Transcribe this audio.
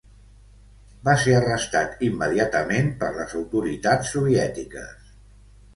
Va ser arrestat immediatament per les autoritats soviètiques.